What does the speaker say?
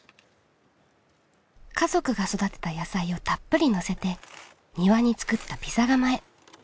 家族が育てた野菜をたっぷりのせて庭につくったピザ窯へ。